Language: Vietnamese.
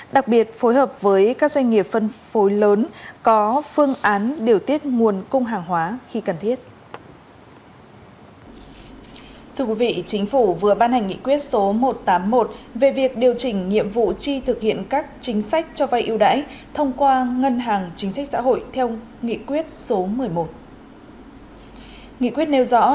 đặc biệt phối hợp với các doanh nghiệp phân phối lớn có phương án điều tiết nguồn cung hàng hóa khi cần thiết